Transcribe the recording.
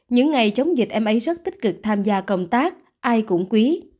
những ngày chống dịch em ấy rất tích cực tham gia công tác ai cũng quý